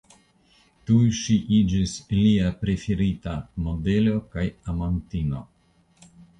Tuj ŝi iĝis lia preferita modelo kaj amantino.